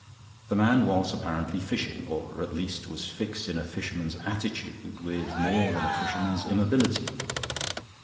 The man was apparently fishing; or at least was fixed in a fisherman's attitude with more than a fisherman's immobility.